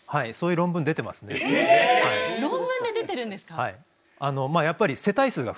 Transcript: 論文で出てるんですか？